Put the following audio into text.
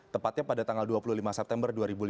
tepatnya pada tanggal dua puluh lima september